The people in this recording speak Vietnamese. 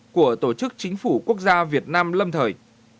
của tổ chức chính phủ quốc gia việt nam lâm thời